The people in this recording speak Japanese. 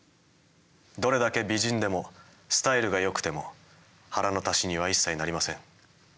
どれだけ美人でもスタイルがよくても腹の足しには一切なりません。